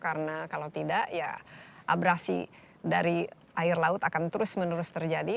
karena kalau tidak ya abrasi dari air laut akan terus menerus terjadi